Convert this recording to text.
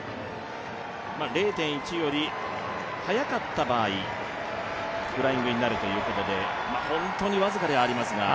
０．１より早かった場合、フライングになるということで、本当に僅かではありますが。